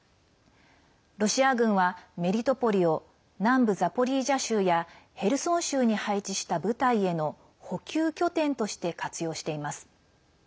ロシア軍はメリトポリを南部ザポリージャ州やヘルソン州に配置した部隊への補給拠点として活用しています。